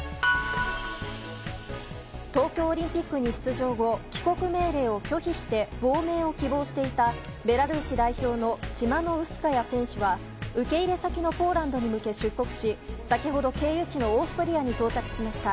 東京オリンピックに出場後帰国命令を拒否して亡命を希望していたベラルーシ代表のチマノウスカヤ選手は受け入れ先のポーランドに向け出国し、先ほど経由地のオーストリアに到着しました。